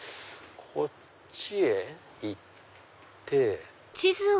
こっちへ行って。